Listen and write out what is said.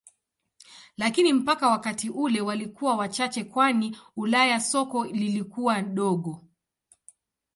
Lakini mpaka wakati ule walikuwa wachache kwani Ulaya soko lilikuwa dogo.